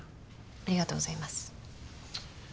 ありがとうございます。